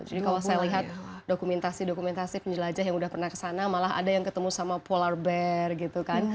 jadi kalau saya lihat dokumentasi dokumentasi penjelajah yang pernah ke sana malah ada yang ketemu sama polar bear gitu kan